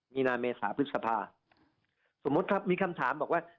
มีนาเมษาพฤษภาสมมุติครับมีคำถามบอกว่า